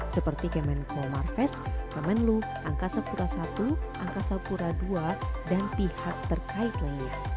seperti kemenko marves kemenlu angkasa pura i angkasa pura ii dan pihak terkait lainnya